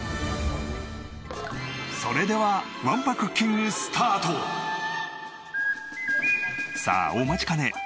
それではさあお待ちかね。